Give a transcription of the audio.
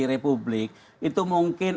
republik itu mungkin